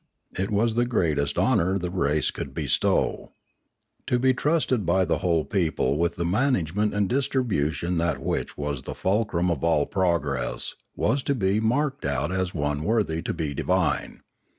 It was the greatest honour the race could bestow. To be trusted by the 526 Linjanora whole people with the management and distribution of that which was the fulcrum of all progress was to be matked out as one worthy to be divine.